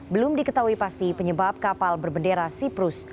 belum diketahui pasti penyebab kapal berbendera siprus